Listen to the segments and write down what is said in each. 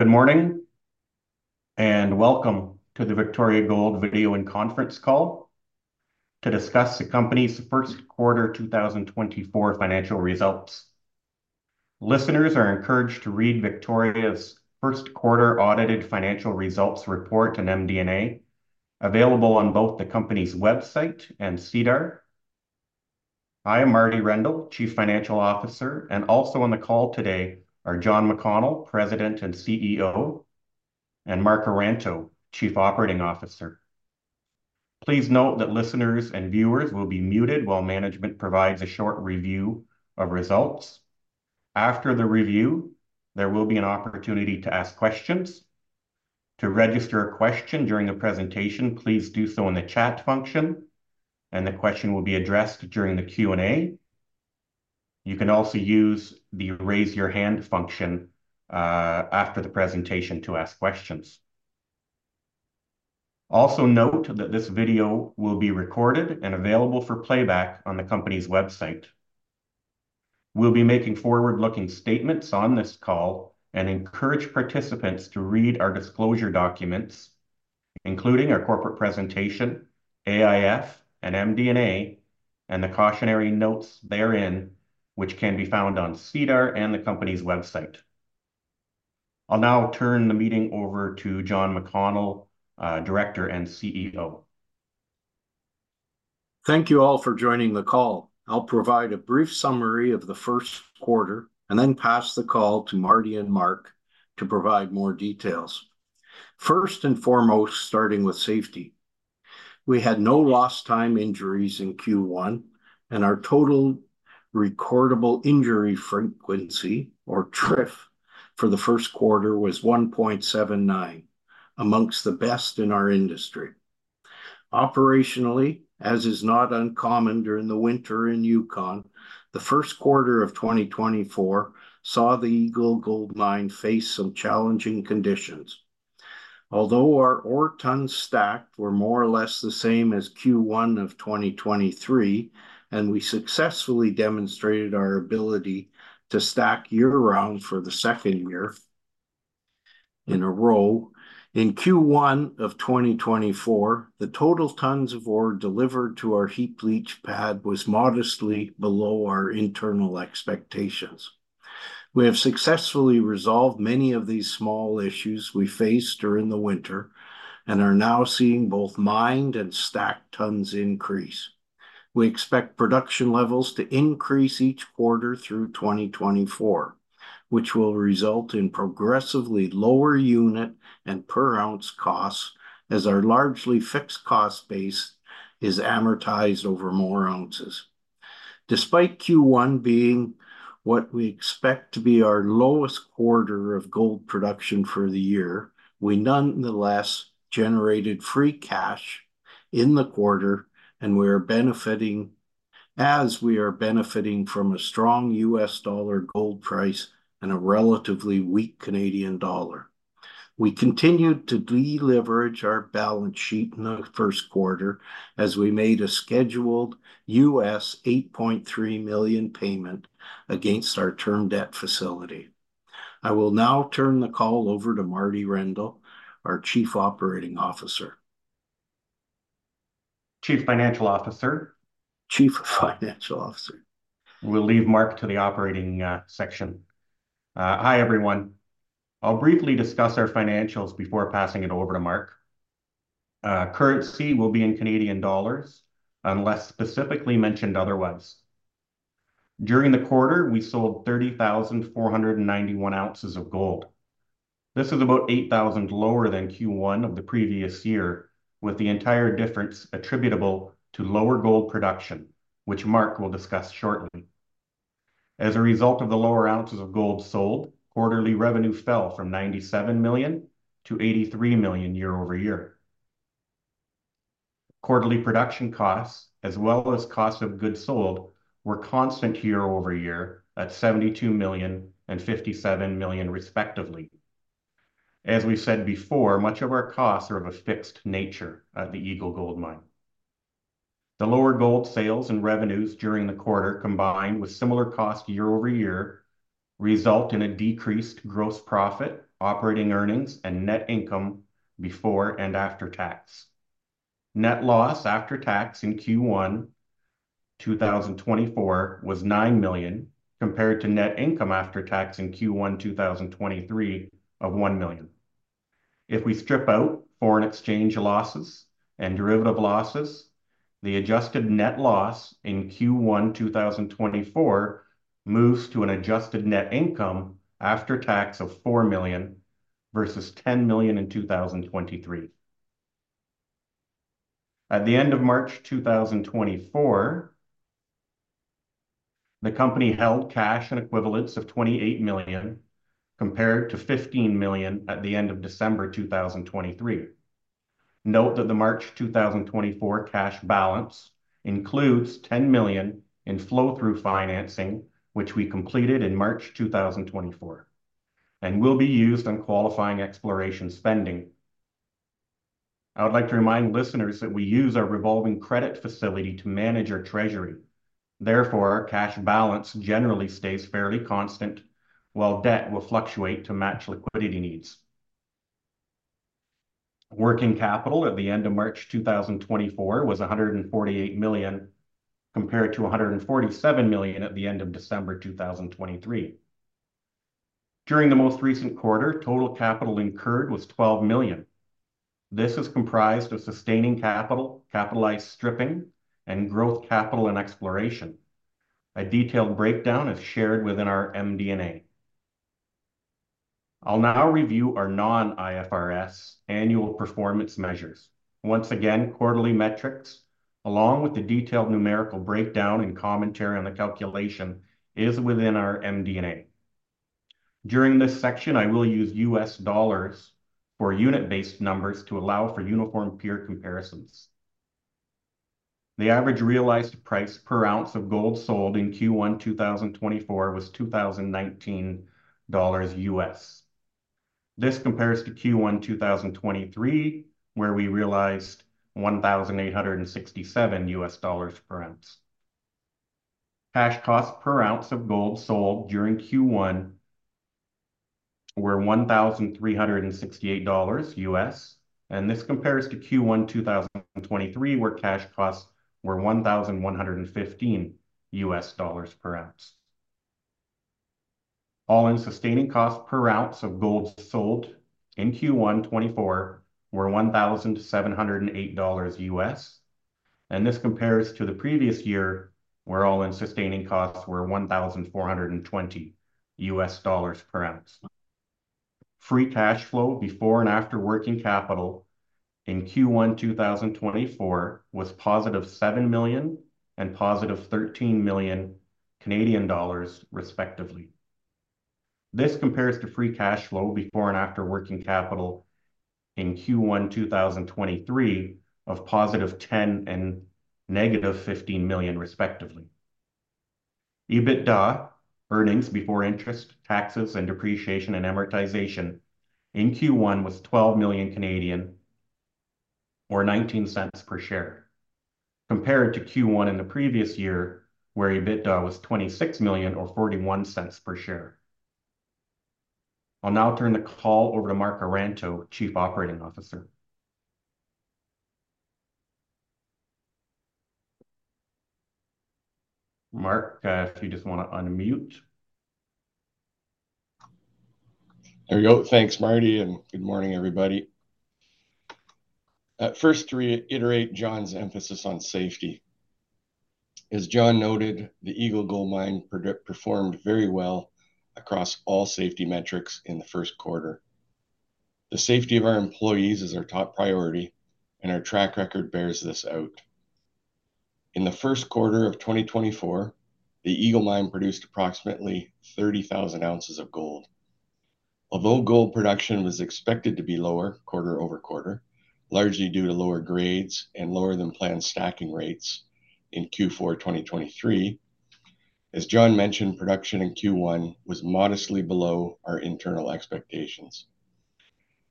Good morning, and welcome to the Victoria Gold Video and Conference Call to discuss the company's Q1 2024 Financial Results. Listeners are encouraged to read Victoria's 1st quarter audited financial results report and MD and A available on both the company's website and SEDAR. I am Marty Rendell, Chief Financial Officer and also on the call today are John McConnell, President and CEO and Mark Aranteau, Chief Operating Officer. Please note that listeners and viewers will be muted while management provides a short review of results. After the review, there will be an opportunity to ask questions. To register a question during the presentation, please do so in the chat function and the question will be addressed during the Q and A. You can also use the raise your hand function after the presentation to ask questions. Also note that this video will be recorded and available for playback on the company's website. We'll be making forward looking statements on this call and encourage participants to read our disclosure documents, including our corporate presentation, AIF and MD and A and the cautionary notes therein, which can be found on SEDAR and the company's website. I'll now turn the meeting over to John McConnell, Director and CEO. Thank you all for joining the call. I'll provide a brief summary of the Q1 and then pass the call to Marty and Mark to provide more details. 1st and foremost, starting with safety. We had no lost time injuries in Q1 and our total recordable injury frequency or TRIF for the Q1 was 1.79, amongst the best in our industry. Operationally, as is not uncommon during the winter in Yukon, the Q1 of 2024 saw the Eagle Gold Mine face some challenging conditions. Although our ore tonnes stacked were more or less the same as Q1 of 2023 and we successfully demonstrated our ability to stack year round for the 2nd year in a row. In Q1 of 2024, the total tonnes of ore delivered to our heap leach pad was modestly below our internal expectations. We have successfully resolved many of these small issues we faced during the winter and are now seeing both mined and stacked tonnes increase. We expect production levels to increase each quarter through 2024, which will result in progressively lower unit and per ounce costs as our largely fixed cost base is amortized over more ounces. Despite Q1 being what we expect to be our lowest quarter of gold production for the year, we nonetheless generated free cash in the quarter and we are benefiting as we are benefiting from a strong U. S. Dollar gold price and a relatively weak Canadian dollar. We continued to deleverage our balance sheet in the Q1 as we made a scheduled US8.3 million dollars payment against our term debt facility. I will now turn the call over to Marty Rendell, our Chief Operating Officer. Chief Financial Officer? Chief Financial Officer. We'll leave Mark to the operating section. Hi, everyone. I'll briefly discuss our financials before passing it over to Mark. Currency will be in Canadian dollars unless specifically mentioned otherwise. During the quarter, we sold 30,491 ounces of gold. This is about 8,000 lower than Q1 of the previous year, with the entire difference attributable to lower gold production, which Mark will discuss shortly. As a result of the lower ounces of gold sold, quarterly revenue fell from 97,000,000 to 83,000,000 year over year. Quarterly production costs as well as cost of goods sold were constant year over year at $72,000,000 $57,000,000 respectively. As we said before, much of our costs are of a fixed nature at the Eagle Gold Mine. The lower gold sales and revenues during the quarter, combined with similar costs year over year, result in a decreased gross profit, operating earnings and net income before and after tax. Net loss after tax in Q1 2024 was 9,000,000 compared to net income after tax in Q1 2023 of 1,000,000 If we strip out foreign exchange losses and derivative losses, the adjusted net loss in Q1 2024 moves to an adjusted net income after tax of $4,000,000 versus $10,000,000 in 2023. At the end of March 2024, the company held cash and equivalents of 28,000,000 compared to 15,000,000 at the end of December 2023. Note that the March 2024 cash balance includes 10,000,000 in flow through financing, which we completed in March 2024 and will be used on qualifying exploration spending. I would like to remind listeners that we use our revolving credit facility to manage our treasury. Therefore, our cash balance generally stays fairly constant, while debt will fluctuate to match liquidity needs. Working capital at the end of March 2024 was 148,000,000 compared to 147,000,000 at the end of December 2023. During the most recent quarter, total capital incurred was 12,000,000. Dollars This is comprised of sustaining capital, capitalized stripping and growth capital and exploration. A detailed breakdown is shared within our MD and A. I'll now review our non IFRS annual performance measures. Once again, quarterly metrics, along with the detailed numerical breakdown and commentary on the calculation, is within our MD and A. During this section, I will use U. S. Dollars for unit based numbers to allow for uniform peer comparisons. The average realized price per ounce of gold sold in Q1 2024 was US20.19 dollars This compares to Q1 2023 where we realized US1867 dollars per ounce. Cash cost per ounce of gold sold during Q1 were US1368 dollars and this compares to Q1 2023 where cash costs were US11.15 dollars per ounce. All in sustaining cost per ounce of gold sold in Q1 2024 were US1708 dollars and this compares to the previous year where all in sustaining costs were US14.20 dollars per ounce. Free cash flow before and after working capital in Q1 2024 was positive CAD7 1,000,000 and positive CAD13 1,000,000 respectively. This compares to free cash flow before and after working capital in Q1 2023 of positive 10,000,000 and negative 15,000,000 respectively. EBITDA, earnings before interest, taxes and depreciation and amortization, in Q1 was 12,000,000 or 0.19 per share compared to Q1 in the previous year where EBITDA was 26,000,000 or 0.41 per share. I'll now turn the call over to Mark Aranteau, Chief Operating Officer. Mark, if you just want to unmute. There you go. Thanks, Marty, and good morning, everybody. First, reiterate John's emphasis on safety. As John noted, the Eagle Gold Mine performed very well across all safety metrics in the Q1. The safety of our employees is our top priority, and our track record bears this out. In the Q1 of 2024, the Eagle Mine produced approximately 30,000 ounces of gold. Although gold production was expected to be lower quarter over quarter largely due to lower grades and lower than planned stacking rates in Q4 2023, as John mentioned, production in Q1 was modestly below our internal expectations.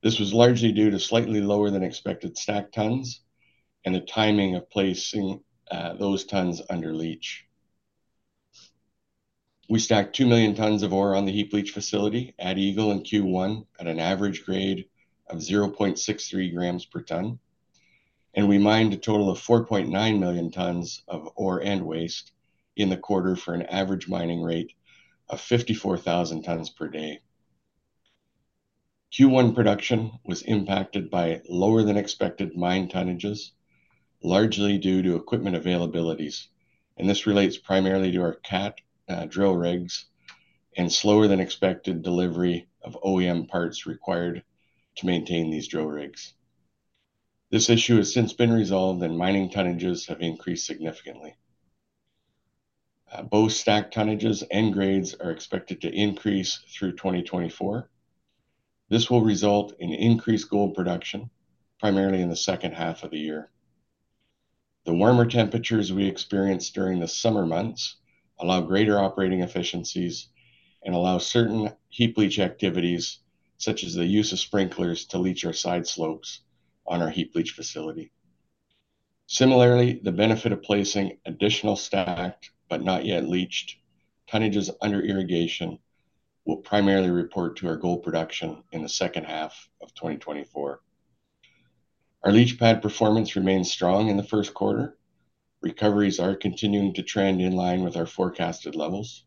This was largely due to slightly lower than expected stacked tonnes and the timing of placing those tonnes under leach. We stacked 2,000,000 tonnes of ore on the heap leach facility at Eagle in Q1 at an average grade of 0.63 grams per tonne, and we mined a total of 4,900,000 tonnes of ore and waste in the quarter for an average mining rate of 54,000 tonnes per day. Q1 production was impacted by lower than expected mine tonnages largely due to equipment availabilities And this relates primarily to our cat drill rigs and slower than expected delivery of OEM parts required to maintain these drill rigs. This issue has since been resolved and mining tonnages have increased significantly. Both stacked tonnages and grades are expected to increase through 2024. This will result in increased gold production primarily in the second half of the year. The warmer temperatures we experienced during the summer months allow greater operating efficiencies and allow certain heap leach activities such as the use of sprinklers to leach our side slopes on our heap leach facility. Similarly, the benefit of placing additional stacked but not yet leached tonnages under irrigation will primarily report to our gold production in the second half of twenty twenty four. Our leach pad performance remains strong in the Q1. Recoveries are continuing to trend in line with our forecasted levels.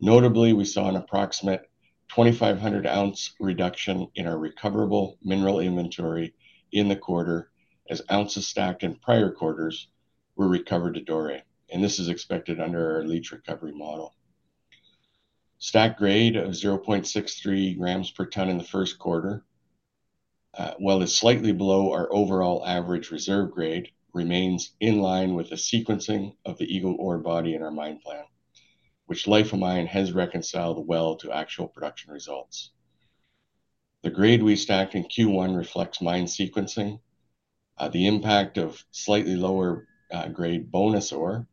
Notably, we saw an approximate 2,500 ounce reduction in our recoverable mineral inventory in the quarter as ounces stacked in prior quarters were recovered at dore and this is expected under our leach recovery model. Stack grade of 0.63 grams per tonne in the Q1, while it's slightly below our overall average reserve grade, remains in line with the sequencing of the Eagle ore body in our mine plan, which life of mine has reconciled well to actual production results. The grade we stack in Q1 reflects mine sequencing, the impact of slightly lower grade bonus ore,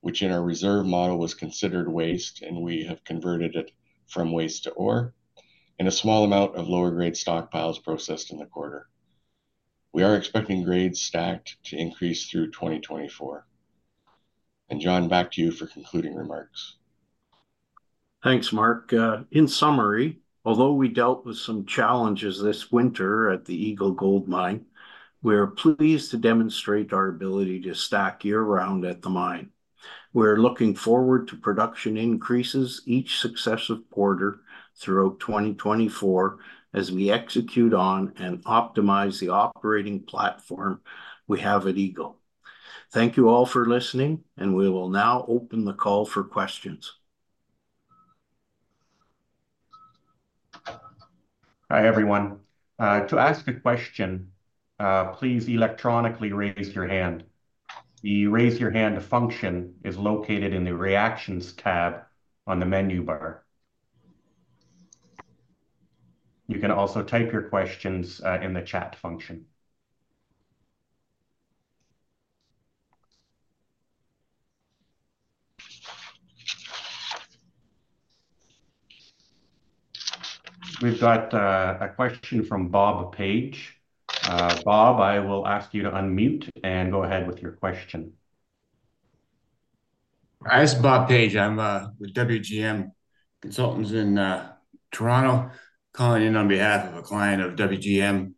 which in our reserve model was considered waste and we have converted it from waste to ore, and a small amount of lower grade stockpiles processed in the quarter. We are expecting grades stacked to increase through 2024. And John, back to you for concluding remarks. Thanks, Mark. In summary, although we dealt with some challenges this winter at the Eagle Gold Mine, we are pleased to demonstrate our ability to stack year round at the mine. We are looking forward to production increases each successive quarter throughout 2024 as we execute on and optimize the operating platform we have at Eagle. Thank you all for listening and we will now open the call for questions. Hi, everyone. To ask a question, please electronically raise your hand. The raise your hand function is located in the reactions tab on the menu bar. We've got a question from Bob Apage. Bob, I will ask you to unmute and go ahead with your question. Hi, it's Bob Page. I'm with WGM Consultants in Toronto, calling in on behalf of a client of WGM.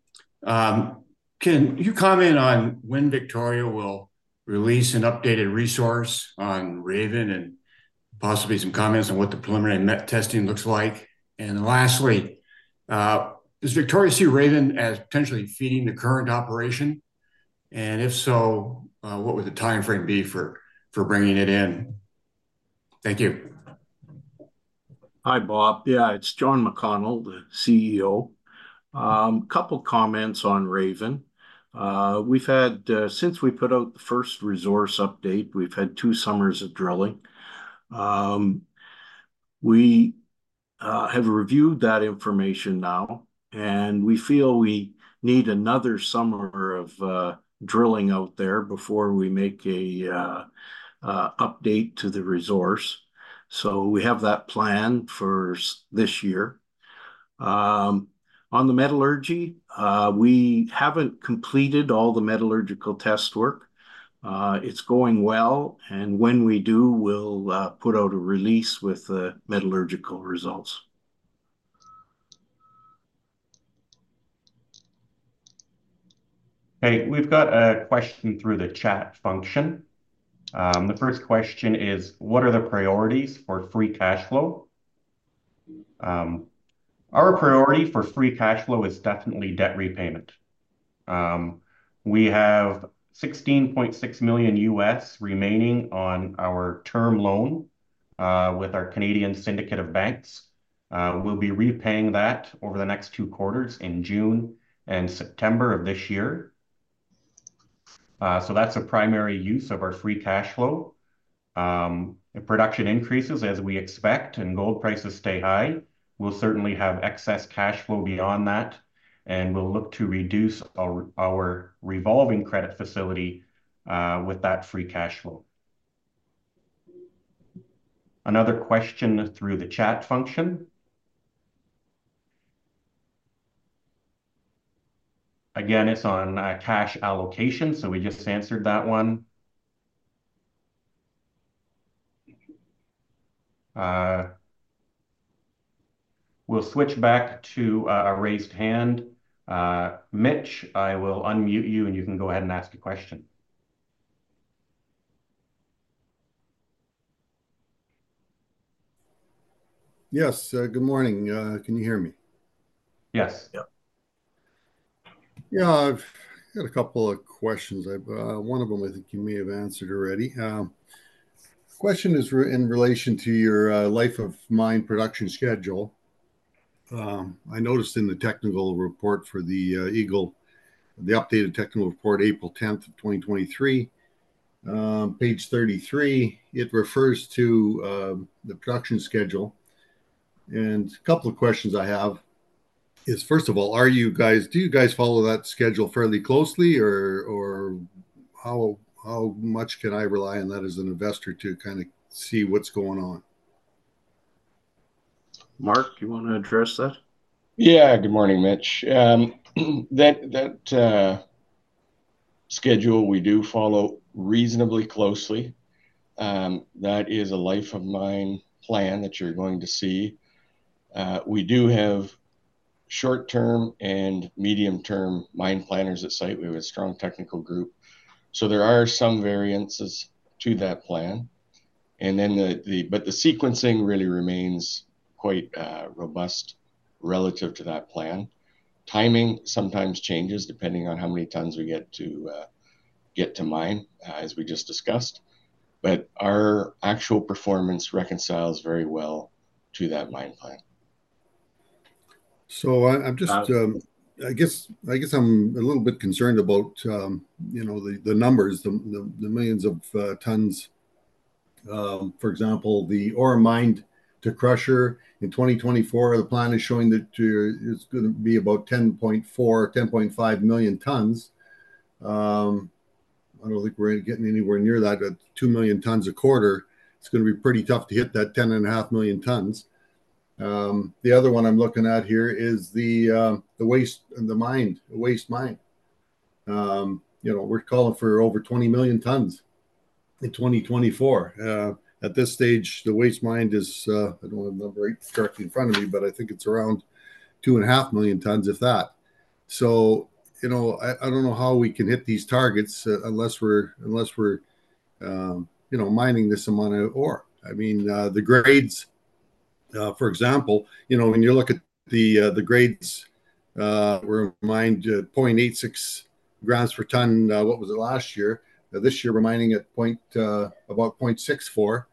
Can you comment on when Victoria will release an updated resource on Raven and possibly some comments on what the preliminary MET testing looks like? And lastly, does Victoria see Raven as potentially feeding the current operation? And if so, what would the timeframe be for bringing it in? Thank you. Hi, Bob. Yeah, it's John McConnell, the CEO. Couple of comments on Raven. We've had since we put out the first resource update, we've had 2 summers of drilling. We have reviewed that information now and we feel we need another summer of drilling out there before we make a update to the resource. So we have that plan for this year. On the metallurgy, we haven't completed all the metallurgical test work. It's going well and when we do, we'll put out a release with the metallurgical results. Hey, we've got a question through the chat function. The first question is, what are the priorities for free cash flow? Our priority for free cash flow is definitely debt repayment. We have US16.6 million dollars remaining on our term loan with our Canadian syndicate of banks. We'll be repaying that over the next two quarters in June September of this year. So that's a primary use of our free cash flow. Production increases as we expect and gold prices stay high. We'll certainly have excess cash flow beyond that and we'll look to reduce our revolving credit facility with that free cash flow. Another question through the chat function. Again, it's on cash allocation. So we just answered that one. We'll switch back to a raised hand. Mitch, I will unmute you, and you can go ahead and ask a question. Yes. Good morning. Can you hear me? Yes. Yeah. I've got a couple of questions. I've, one of them, I think you may have answered already. Question is in relation to your life of mine production schedule. I noticed in the technical report for the Eagle, the updated technical report April 10, 2023, page 33, it refers to the production schedule. And a couple of questions I have is, first of all, are you guys do you guys follow that schedule fairly closely or how much can I rely on that as an investor to kind of see what's going on? Mark, you want to address that? Yes. Good morning, Mitch. That schedule we do follow reasonably closely. That is a life of mine plan that you're going to see. We do have short term and medium term mine planners at site. We have a strong technical group. So there are some variances to that plan. And then the but the sequencing really remains quite robust relative to that plan. Timing sometimes changes depending on how many tonnes we get to mine as we just discussed. But our actual performance reconciles very well to that mine plan. So, I'm just I guess I'm a little bit concerned about the numbers, the millions of tonnes. For example, the ore mined to crusher in 2024, the plan is showing that it's going to be about 10,400,000 tonnes, 10,500,000 tonnes. I don't think we're getting anywhere near that, 2,000,000 tonnes a quarter, it's going to be pretty tough to hit that 10,500,000 tons. The other one I'm looking at here is the waste and the mind waste mine. We're calling for over 20,000,000 tonnes in 2024. At this stage, the waste mine is, I don't have the right in front of me, but I think it's around 2,500,000 tonnes of that. So, I don't know how we can hit these targets unless we're you know, mining this amount of ore. I mean, the grades, for example, you know, when you look at the grades we're mined 0.86 grams per ton. What was it last year? This year, we're mining at about 0.64.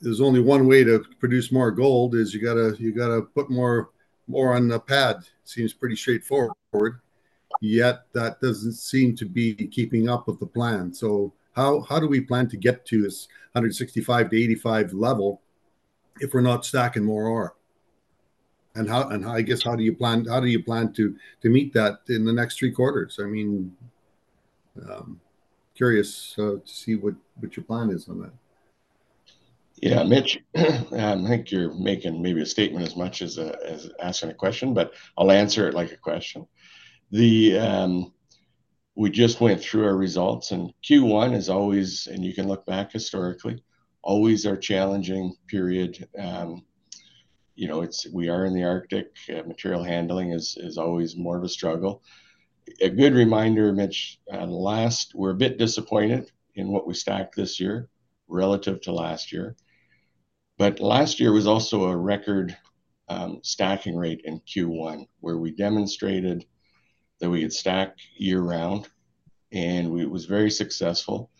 There's only one way to produce more gold is you got to put more on the pad, seems pretty straightforward, yet that doesn't seem to be keeping up with the plan. So how do we plan to get to this 165 to 85 level if we're not stacking more ore? And how and I guess, how do you plan to meet that in the next three quarters? I mean, curious to see what your plan is on that. Yeah, Mitch, I think you're making maybe a statement as much as asking a question, but I'll answer it like a question. We just went through our results. And Q1 is always and you can look back historically, always our challenging period. We are in the Arctic. Material handling is always more of a struggle. A good reminder, Mitch, last, we're a bit disappointed in what we stacked this year relative to last year. But last year was also a record, stacking rate in Q1 where we demonstrated that we had stacked year round and it was very successful.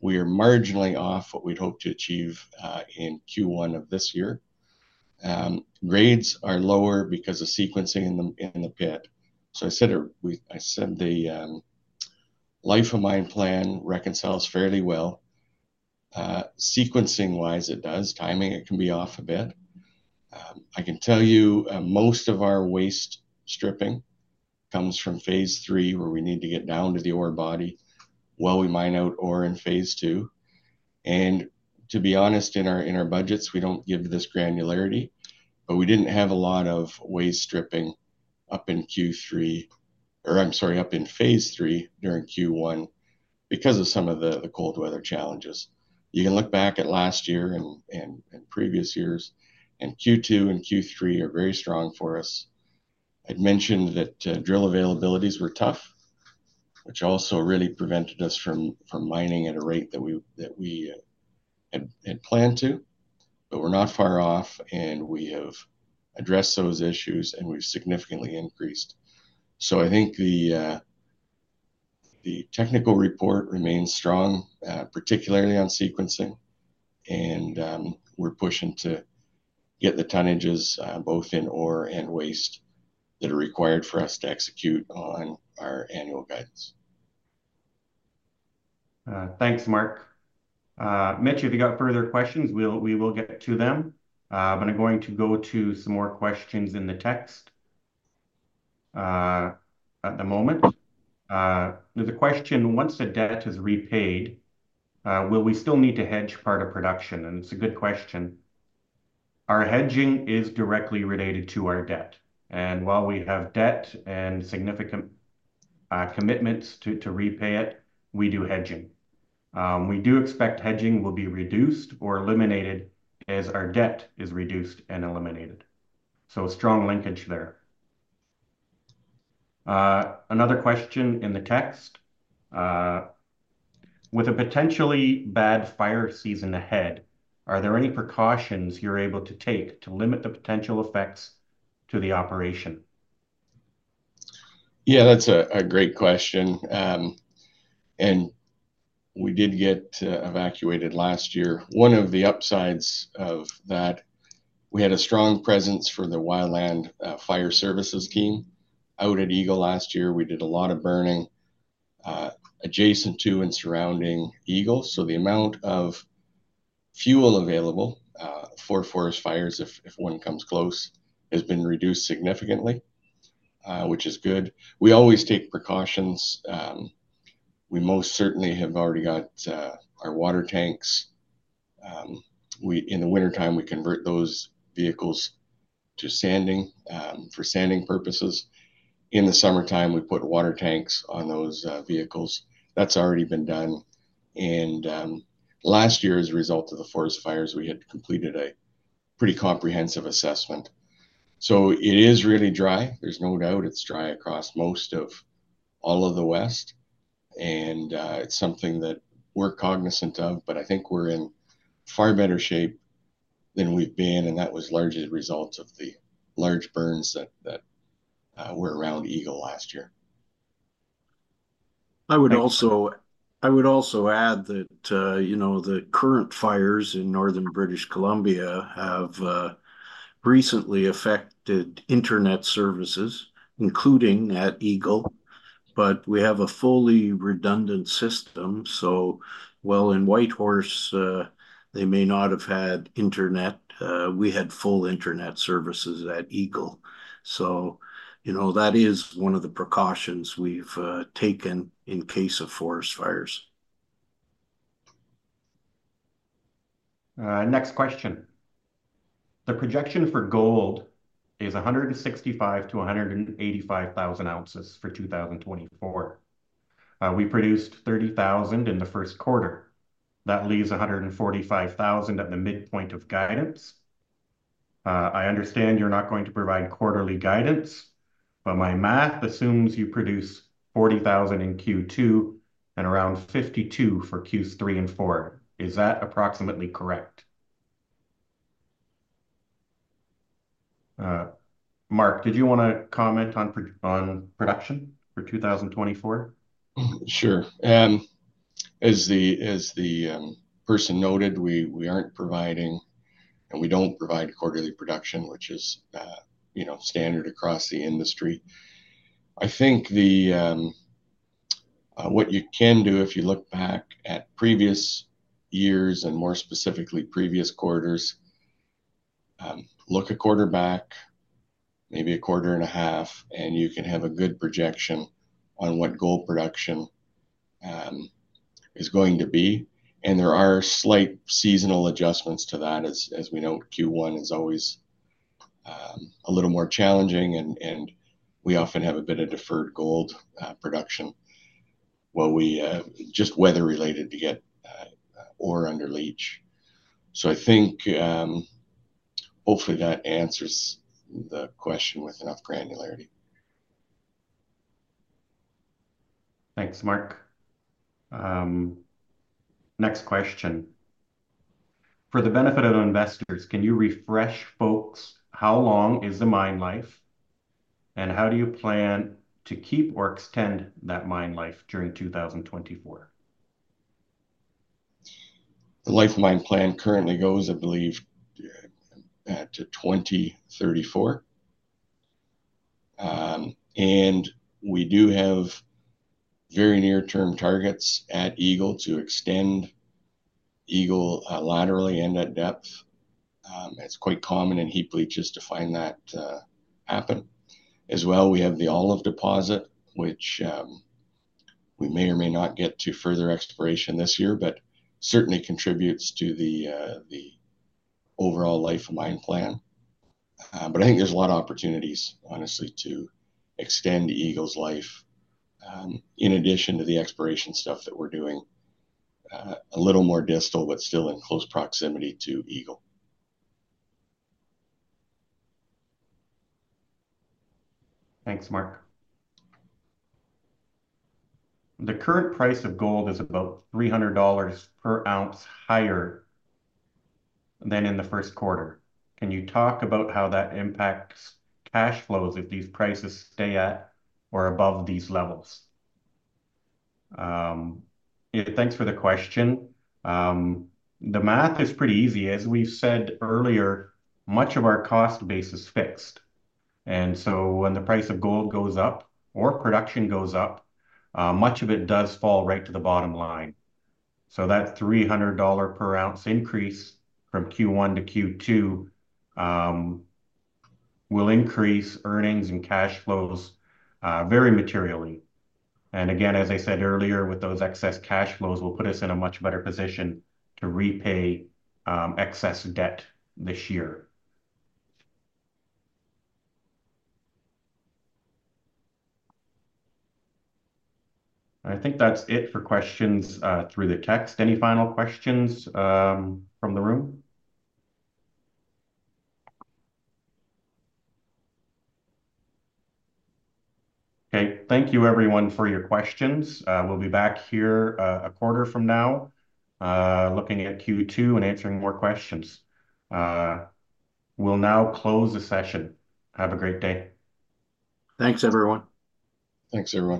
We are marginally off what we'd hoped to achieve in Q1 of this year. Grades are lower because of sequencing in the pit. So I said the life of mine plan reconciles fairly well. Sequencing wise, it does. Timing, it can be off a bit. I can tell you most of our waste stripping comes from Phase 3 where we need to get down to the ore body while we mine out ore in Phase 2. And to be honest, in our budgets, we don't give this granularity, but we didn't have a lot of waste stripping up in Q3 or I'm sorry, up in Phase 3 during Q1 because of some of the cold weather challenges. You can look back at last year and previous years and Q2 and Q3 are very strong for us. I'd mentioned that drill availabilities were tough, which also really prevented us from mining at a rate that we had planned to. But we're not far off and we have addressed those issues and we've significantly increased. So I think the technical report remains strong, particularly on sequencing. And we're pushing to get the tonnages both in ore and waste that are required for us to execute on our annual guidance. Thanks, Mark. Mitch, if you got further questions, we will get to them. But I'm going to go to some more questions in the text at the moment. There's a question, once the debt is repaid, will we still need to hedge part of production? And it's a good question. Our hedging is directly related to our debt. And while we have debt and significant commitments to repay it, we do hedging. We do expect hedging will be reduced or eliminated as our debt is reduced and eliminated. So a strong linkage there. Another question in the text. With a potentially bad fire season ahead, are there any precautions you're able to take to limit the potential effects to the operation? Yeah, that's a great question. And we did get evacuated last year. One of the upsides of that, we had a strong presence for the WiLAN Fire Services team. Out at Eagle last year, we did a lot of burning adjacent to and surrounding Eagle. So the amount of fuel available for forest fires, if one comes close, has been reduced significantly, which is good. We always take precautions. We most certainly have already got our water tanks. In the wintertime, we convert those vehicles to sanding for sanding purposes. In the summertime, we put water tanks on those vehicles. That's already been done. And last year as a result of the forest fires, we had completed a pretty comprehensive assessment. So it is really dry. There's no doubt. It's dry across most of all of the West. And it's something that we're cognizant of. But I think we're in far better shape than we've been and that was largely a result of the large burns that were around Eagle last year. I would also add that the current fires in Northern British Columbia have recently affected Internet services, including at Eagle, but we have a fully redundant system. So well in Whitehorse, they may not have had Internet, we had full Internet services at Eagle. So that is one of the precautions we've taken in case of forest fires. Next question. The projection for gold is 165,000 to 185,000 ounces for 2024. We produced 30,000 in the Q1. That leaves 145,000 at the midpoint of guidance. I understand you're not going to provide quarterly guidance, but my math assumes you produce $40,000 in Q2 and around 52 for Q3 and Q4. Is that approximately correct? Mark, did you want to comment on production for 2024? Sure. And As the person noted, we aren't providing and we don't provide quarterly production, which is standard across the industry. I think the what you can do if you look back at previous years and more specifically previous quarters, look at quarter back, maybe 1.5 years and you can have a good projection on what gold production is going to be. And there are slight seasonal adjustments to that. As we know, Q1 is always a little more challenging and we often have a bit of deferred gold production, while we just weather related to get ore under leach. So I think hopefully that answers the question with enough granularity. Thanks, Mark. Next question. For the benefit of investors, can you refresh, folks, how long is the mine life? And how do you plan to keep or extend that mine life during 2024? The life of mine plan currently goes I believe to 2,034. And we do have very near term targets at Eagle to extend Eagle laterally and at depth. It's quite common in heap leaches to find that happen. As well, we have the Olive deposit, which we may or may not get to further exploration this year, but certainly contributes to the overall life of mine plan. But I think there's a lot of opportunities honestly to extend Eagle's life in addition to the exploration stuff that we're doing, a little more distal but still in close proximity to Eagle. Thanks, Mark. The current price of gold is about $300 per ounce higher than in the Q1. Can you talk about how that impacts cash flows if these prices stay at or above these levels? Thanks for the question. The math is pretty easy. As we've said earlier, much of our cost base is fixed. And so when the price of gold goes up or production goes up, much of it does fall right to the bottom line. So that $300 per ounce increase from Q1 to Q2 will increase earnings and cash flows very materially. And again, as I said earlier, with those excess cash flows, will put us in a much better position to repay excess debt this year. I think that's it for questions through the text. Any final questions from the room? Okay. Thank you, everyone, for your questions. We'll be back here a quarter from now, looking at Q2 and answering more questions. We'll now close the session. Have a great day. Thanks everyone. Thanks everyone.